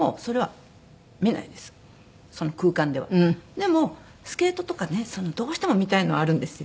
でもスケートとかねどうしても見たいのはあるんですよ。